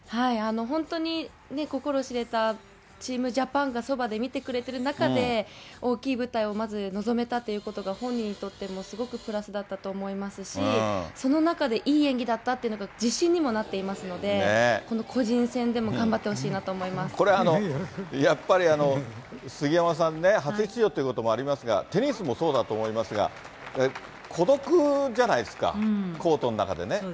本当に心知れたチームジャパンがそばで見てくれてる中で、大きい舞台にまず臨めたということが本人にとってもすごくプラスだったと思いますし、その中でいい演技だったっていうのが、自信にもなっていますので、この個人戦でも頑張ってほしいなと思これ、やっぱり杉山さんね、初出場ってこともありますが、テニスもそうだと思いますが、孤独じゃないですか、コートの中でね。